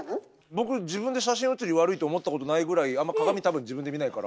僕自分で写真うつり悪いと思ったことないぐらいあんま鏡多分自分で見ないから。